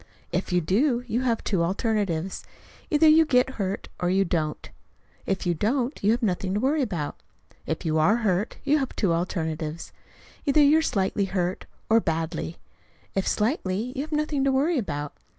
If you do, you have two alternatives: either you get hurt or you don't. If you don't, you have nothing to worry about. If you are hurt, you have two alternatives: either you are slightly hurt or badly. If slightly, you have nothing to worry about.